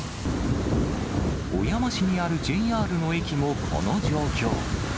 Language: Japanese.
小山市にあるＪＲの駅もこの状況。